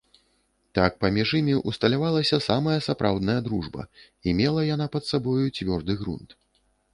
Так паміж імі ўсталявалася самая сапраўдная дружба, і мела яна пад сабою цвёрды грунт.